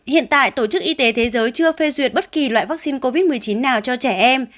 hiện tại tổ chức y tế thế giới chưa phê duyệt bất kỳ loại vaccine covid một mươi chín nào cho trẻ em